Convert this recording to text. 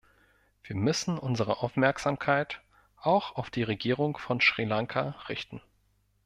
Wir müssen unsere Aufmerksamkeit auch auf die Regierung von Sri Lanka richten.